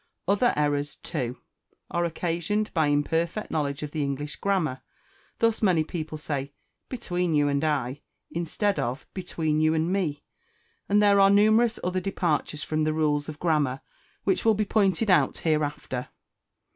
Other Errors (2) are occasioned by imperfect knowledge of the English grammar: thus, many people say, "Between you and I," instead of "Between you and me." And there are numerous other departures from the rules of grammar, which will be pointed out hereafter.